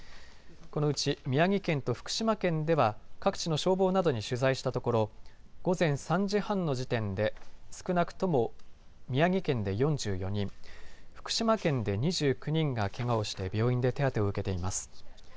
このうち宮城県と福島県では各地の消防などに取材したところ午前３時半の時点で少なくとも宮城県で４４人、福島県で２９人がけがをして病院で手当てを受けています。